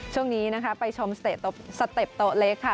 ช่วงนี้นะคะไปชมสเต็ปโต๊ะเล็กค่ะ